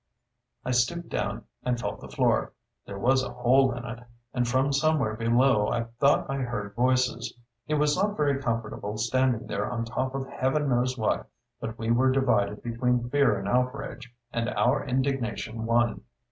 I stooped down and felt the floor. There was a hole in it, and from somewhere below I thought I heard voices. It was not very comfortable, standing there on top of Heaven knows what; but we were divided between fear and outrage, and our indignation won.